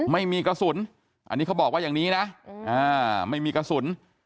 ไม่มีกระสุนอันนี้เขาบอกว่าอย่างนี้นะไม่มีกระสุน